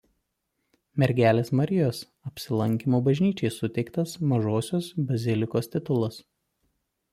Mergelės Marijos Apsilankymo bažnyčiai suteiktas mažosios bazilikos titulas.